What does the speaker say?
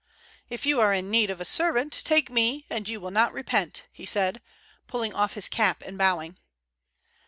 "If you are in need of a servant, take me, and you will not repent," he said, pulling off his cap and bowing.